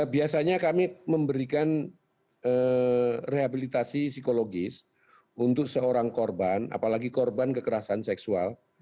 biasanya kami memberikan rehabilitasi psikologis untuk seorang korban apalagi korban kekerasan seksual